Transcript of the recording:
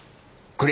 これ。